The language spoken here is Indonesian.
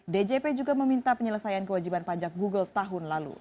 djp juga meminta penyelesaian kewajiban pajak google tahun lalu